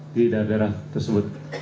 di daerah daerah tersebut